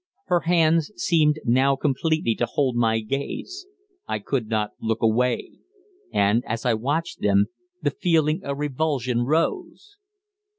Her hands seemed now completely to hold my gaze. I could not look away. And, as I watched them, the feeling of revulsion rose.